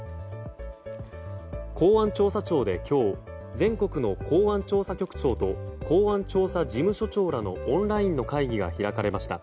公安調査庁で今日全国の公安調査局長と公安調査事務所長らのオンラインの会議が開かれました。